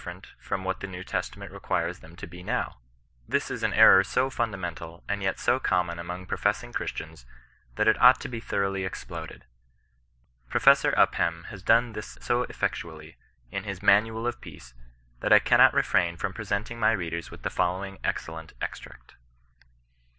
ferent from what the Kew Testament requires them to be now* This is an error so fundamental and yet so common among professing Christians, that it ought to be thoroughly exploded. Professor Upham has done thi'*/ so effectually, in his ^^ Manual of Peace,'* that I cannji^ refrain from presenting my readers with the following excellent extract.